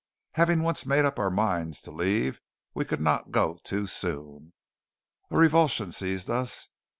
Having once made up our minds to leave, we could not go too soon. A revulsion seized us.